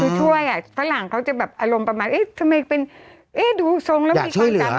คือช่วยอ่ะฝรั่งเขาจะแบบอารมณ์ประมาณเอ๊ะทำไมเป็นเอ๊ะดูทรงแล้วมีความจำ